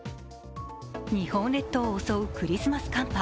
日本列島を襲うクリスマス寒波。